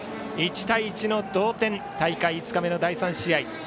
１対１の同点大会５日目の第３試合。